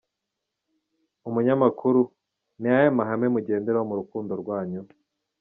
Umunyamakuru: Ni ayahe mahame mugenderaho mu rukundo rwanyu?.